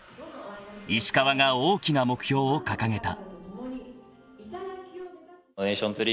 ［石川が大きな目標を掲げた］